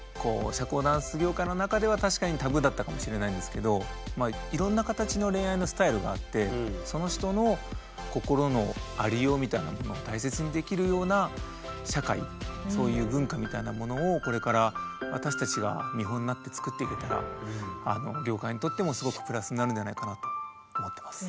社交ダンス業界の中では確かにタブーだったかもしれないんですけどいろんな形の恋愛のスタイルがあってその人の心のありようみたいなものを大切にできるような社会そういう文化みたいなものをこれから私たちが見本になって作っていけたら業界にとってもすごくプラスになるのではないかなと思ってます。